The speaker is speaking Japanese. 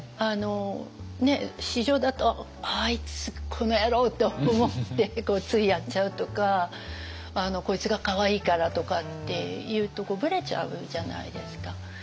私情だと「あいつこの野郎！」と思ってついやっちゃうとか「こいつがかわいいから」とかっていうとブレちゃうじゃないですか。